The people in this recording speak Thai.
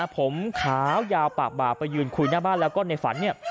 ผมขาวยาวปากบาปไปยืนคุยหน้าบ้านแล้วก็ในฝันเนี่ย